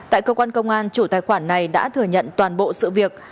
tại cơ quan công an chủ tài khoản này đã thừa nhận toàn bộ sự việc